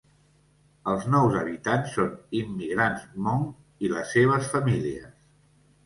Els nous habitants són immigrants hmong i les seves famílies.